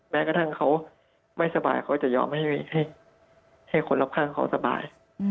แม้กระทั่งเขาไม่สบายเขาจะยอมให้คนรอบข้างเขาสบาย